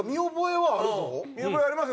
見覚えあります？